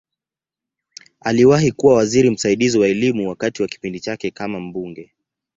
Aliwahi kuwa waziri msaidizi wa Elimu wakati wa kipindi chake kama mbunge.